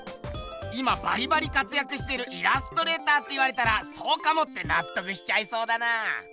今バリバリかつやくしてるイラストレーターって言われたら「そうかも」ってなっとくしちゃいそうだな。